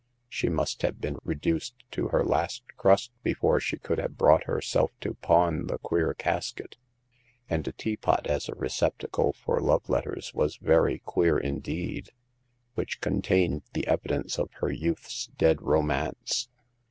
She must have been reduced to her last crust before she could have brought herself to pawn the queer casket — and a teapot as a receptacle for love letters was very queer indeed — ^which contained the evidence of her youth's dead romance.